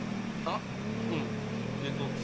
あっうんえっと